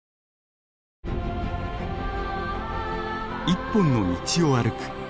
一本の道を歩く。